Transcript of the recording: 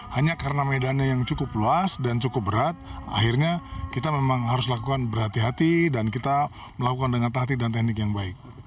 hanya karena medannya yang cukup luas dan cukup berat akhirnya kita memang harus lakukan berhati hati dan kita melakukan dengan tahti dan teknik yang baik